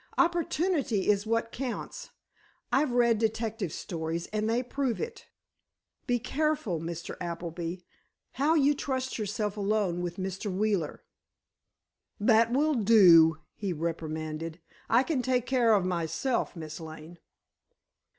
"Opportunity is what counts. I've read detective stories, and they prove it. Be careful, Mr. Appleby, how you trust yourself alone with Mr. Wheeler." "That will do," he reprimanded. "I can take care of myself, Miss Lane."